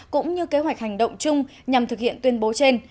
cũng như kế hoạch hành động chung nhằm thực hiện tuyên bố trên